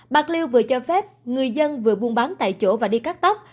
bạc liêu vừa cho phép người dân vừa buôn bán tại chỗ và đi cắt tóc